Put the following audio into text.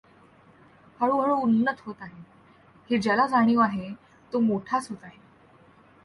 हळूहळू उन्नत होत आहे, ही ज्याला जाणीव आहे, तो मोठाच होत आहे.